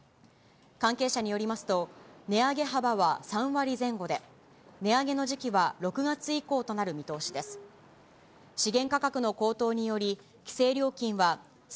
関係者によりますと、値上げ幅は３割前後で、値上げの時期は６月以降となる見通しです。